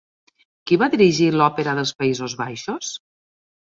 Qui va dirigir l'Òpera dels Països Baixos?